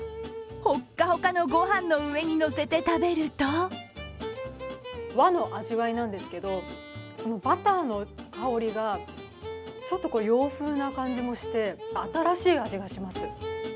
ほっかほかのご飯の上にのせて食べると和の味わいなんですけど、バターの香りがちょっと洋風な感じもして、新しい味がします。